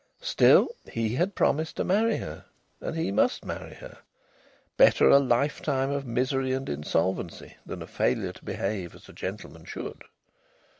Still, he had promised to marry her, and he must marry her. Better a lifetime of misery and insolvency than a failure to behave as a gentleman should.